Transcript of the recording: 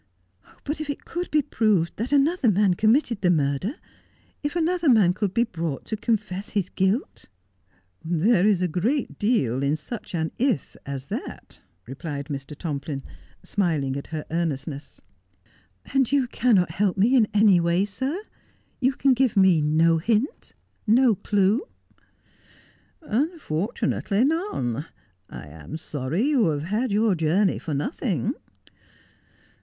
' But if it could be proved that another man committed the murder — if another man could be brought to confess his guilt 1 ' 'There is a great deal in such an if as that,' replied Mr. Tomplin, smiling at her earnestness. ' And you cannot help me in any way, sir 1 You can give me no hint — no clue ?' On the Wing. 14$ 5 Unfortunately, none. I am sorry you have had your journey for nothing.'